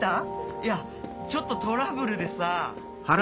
いやちょっとトラブルでさ。